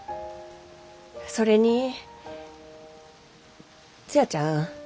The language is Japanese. それにツヤちゃん